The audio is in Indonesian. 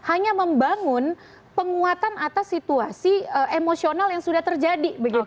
hanya membangun penguatan atas situasi emosional yang sudah terjadi